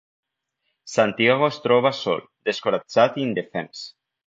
Santiago es troba sol, descoratjat i indefens.